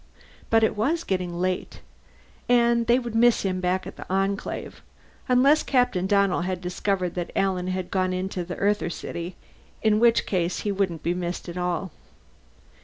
But it was getting late. And they would miss him back at the Enclave unless Captain Donnell had discovered that Alan had gone into the Earther city, in which case he wouldn't be missed at all.